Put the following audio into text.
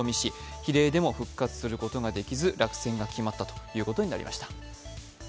比例でも復活することができず落選が決まったということになりました。